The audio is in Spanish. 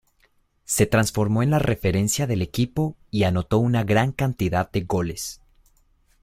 Se transformó en la referencia del equipo y anotó una gran cantidad de goles.